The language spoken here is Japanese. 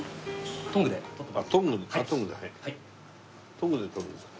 トングで取るんですか。